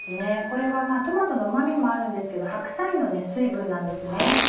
これはトマトのうま味もあるんですけど白菜の水分なんですね。